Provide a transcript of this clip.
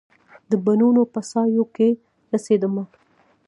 د بڼوڼو په سایو کې نڅېدمه